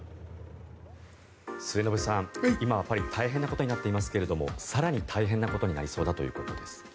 末延さん、今はパリ大変なことになってますけど更に大変なことになりそうだということです。